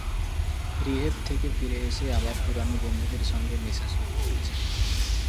Rehab থেকে ফিরে এসে আবার পুরোনো বন্ধুদের সঙ্গে মেশা শুরু করেছে।